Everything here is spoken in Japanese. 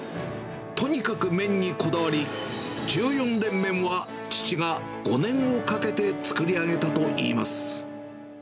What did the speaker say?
とにかく麺にこだわり、１４連麺は、父が５年をかけて作り上げたといいます。